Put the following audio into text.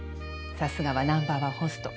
さすがはナンバーワンホスト。